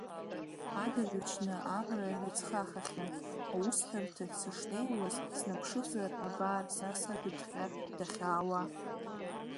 Адырҩаҽны Амра ҩыҵхахахьан, аусҳәарҭахь сышнеиуаз, снаԥшызар абар Саса дыҭҟьа дахьаауа!